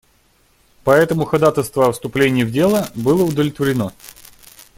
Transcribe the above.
Поэтому ходатайство о вступлении в дело было удовлетворено.